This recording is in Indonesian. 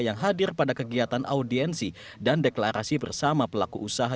yang hadir pada kegiatan audiensi dan deklarasi bersama pelaku usaha